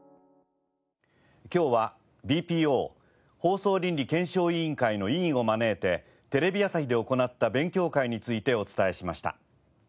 今日はＢＰＯ放送倫理検証委員会の委員を招いてテレビ朝日で行った勉強会についてお伝えしました。